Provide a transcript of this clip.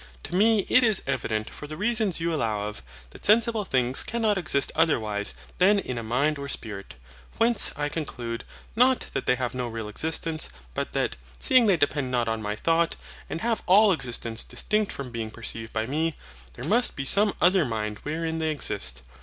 To me it is evident for the reasons you allow of, that sensible things cannot exist otherwise than in a mind or spirit. Whence I conclude, not that they have no real existence, but that, seeing they depend not on my thought, and have all existence distinct from being perceived by me, THERE MUST BE SOME OTHER MIND WHEREIN THEY EXIST.